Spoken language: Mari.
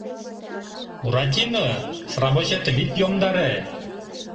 — Буратино, сравочетым ит йомдаре!